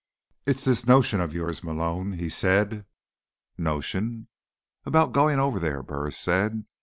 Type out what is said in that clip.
"It's this notion of yours, Malone," he said. "Notion?" "About going over there," Burris said.